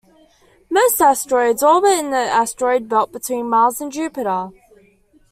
Most asteroids orbit in the asteroid belt between Mars and Jupiter.